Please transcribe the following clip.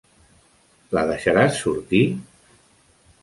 La deixaràs sortir?